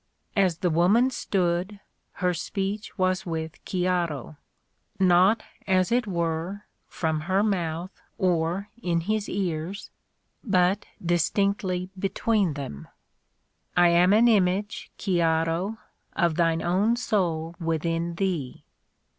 As the woman stood, her speech was with Ghiaro : not, as it were, from her mouth or in his ears ; but distinctly between them. "I am an image, Ghiaro, of thine own soul within thee.